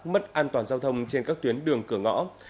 mất an toàn giao thông trên các tuyến đường cửa ngõ